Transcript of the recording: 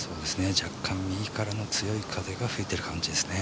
若干、右からの強い風が吹いてる感じですね。